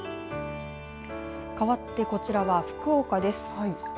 かわってこちらは福岡です。